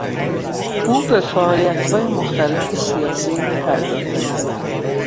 او به فعالیت های مختلف سیاسی می پردازد.